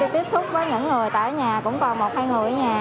tiếp xúc với những người tại nhà cũng còn một hai người ở nhà